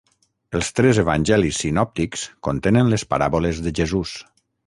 Els tres evangelis sinòptics contenen les paràboles de Jesús.